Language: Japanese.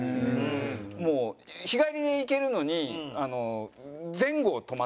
もう日帰りで行けるのにええー！